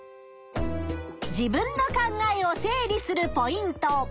自分の考えを整理するポイント。